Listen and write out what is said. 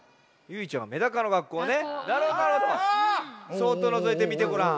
「そっとのぞいてみてごらん」。